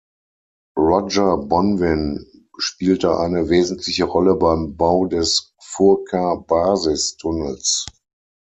Roger Bonvin spielte eine wesentliche Rolle beim Bau des Furka-Basistunnels.